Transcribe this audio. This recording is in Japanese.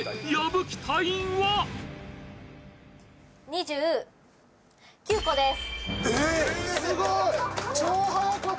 ２９個です。